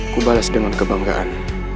ku balas dengan kebanggaan